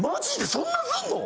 そんなすんの！？